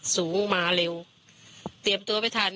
สูงมาเร็วเตรียมตัวไม่ทัน